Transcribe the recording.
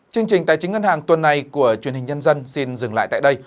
chương trình tài chính ngân hàng tuần này của truyền hình nhân dân xin dừng lại tại đây